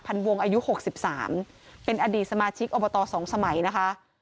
วงอายุหกสิบสามเป็นอดีตสมาชิกอบต๒สมัยนะคะ